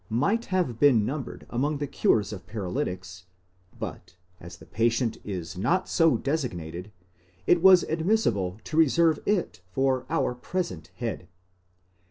might have been numbered among the cures of paralytics, but as the patient is not so designated, it was admissible to reserve it for our present head.